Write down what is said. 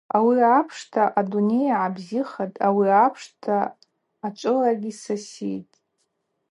Ауи апшта адуней гӏабзихатӏ, ауи апшта ачӏвылагьи сасийтӏ.